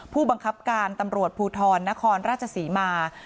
ผู้บังคับการตำรวจภูทรนครราชศรีมา